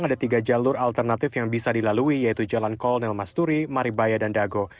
ada tiga jalur alternatif yang bisa dilalui yaitu jalan kolonel masturi maribaya dan dago